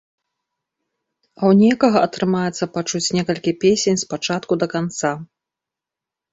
А ў некага атрымаецца пачуць некалі песень з пачатку да канца.